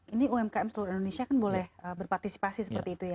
ini umkm seluruh indonesia kan boleh berpartisipasi seperti itu ya